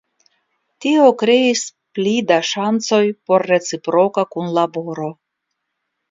Tio kreis pli da ŝancoj por reciproka kunlaboro.